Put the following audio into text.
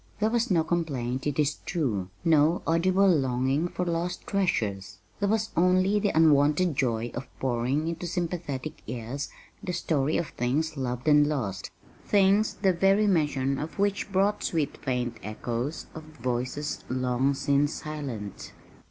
There was no complaint, it is true, no audible longing for lost treasures. There was only the unwonted joy of pouring into sympathetic ears the story of things loved and lost things the very mention of which brought sweet faint echoes of voices long since silent.